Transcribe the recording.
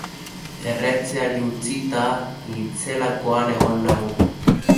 Erretzeari utzita hintzelakoan egon naun.